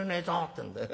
ってんで。